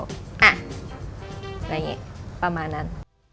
อะไรอย่างนี้ประมาณนั้น